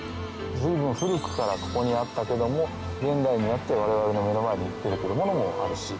ずいぶん古くからここにあったけども現代になって我々の目の前に出て来るものもあるし。